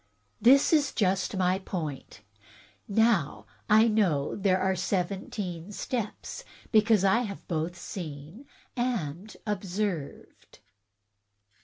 That is just my point. Now, I know that there are seventeen steps, because I have both seen and observed."